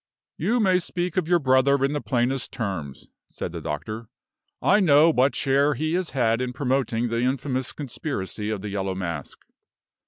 "You may speak of your brother in the plainest terms," said the doctor. "I know what share he has had in promoting the infamous conspiracy of the Yellow Mask."